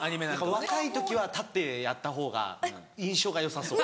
若い時は立ってやったほうが印象がよさそう。